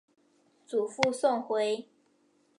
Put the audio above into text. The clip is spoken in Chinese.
祖父宋回。